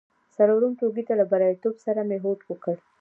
څلورم ټولګي ته له بریالیتوب سره مې هوډ وکړ.